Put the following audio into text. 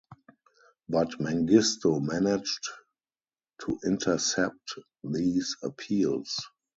But Mengistu managed to intercept these appeals.